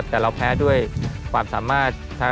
แต่เราแพ้ด้วยความสามารถ